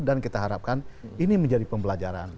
dan kita harapkan ini menjadi pembelajaran